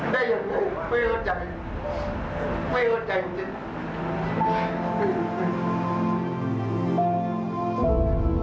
ได้ยังไงไม่เข้าใจไม่เข้าใจจริง